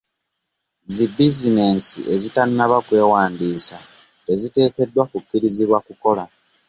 Zi bizinesi ezitanaba kwewandiisa teziteekeddwa kukkirizibwa kukola .